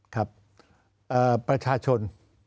ครับประชาชน